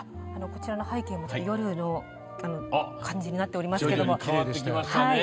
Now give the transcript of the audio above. こちらの背景も夜の感じになっておりますけれど。